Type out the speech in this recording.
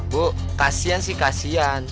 bu kasian sih kasian